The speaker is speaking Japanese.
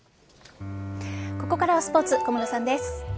ここからはスポーツ小室さんです。